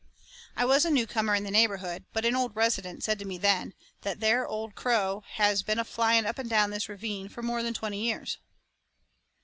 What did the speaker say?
I was a newcomer in the neighborhood, but an old resident said to me then "that there old crow has been a flying up and down this ravine for more than twenty years."